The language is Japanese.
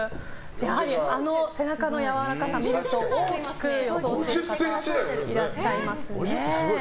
やはりあの背中のやわらかさを見ると大きく予想してる方いらっしゃいますね。